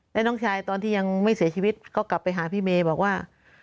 และน้องชายตอนที่ยังไม่เสียชีวิตก็กลับไปหาพี่เมย์บอกว่า